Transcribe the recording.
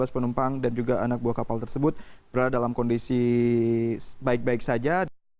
dua belas penumpang dan juga anak buah kapal tersebut berada dalam kondisi baik baik saja